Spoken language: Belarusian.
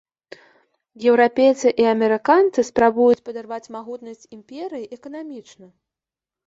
Еўрапейцы і амерыканцы спрабуюць падарваць магутнасць імперыі эканамічна.